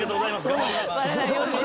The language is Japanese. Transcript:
頑張ります。